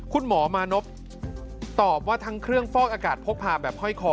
คุณหมอมานพตอบว่าทั้งเครื่องฟอกอากาศพกพาแบบห้อยคอ